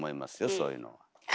そういうのは。